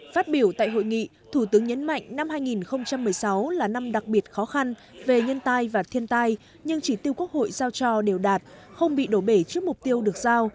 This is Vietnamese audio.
phát biểu tại hội nghị thủ tướng nhấn mạnh năm hai nghìn một mươi sáu là năm đặc biệt khó khăn về nhân tai và thiên tai nhưng chỉ tiêu quốc hội giao cho đều đạt không bị đổ bể trước mục tiêu được giao